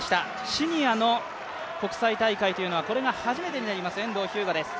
シニアの国際大会というのはこれが初めてになります遠藤日向です。